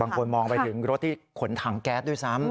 มองไปถึงรถที่ขนถังแก๊สด้วยซ้ำ